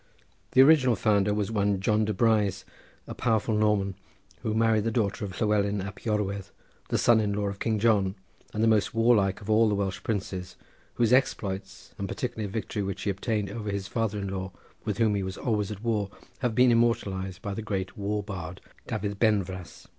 The original founder was one John De Bryse, a powerful Norman, who married the daughter of Llewellyn Ap Jorwerth, the son in law of King John, and the most warlike of all the Welsh princes, whose exploits, and particularly a victory which he obtained over his father in law, with whom he was always at war, have been immortalised by the great war bard, Dafydd Benfras.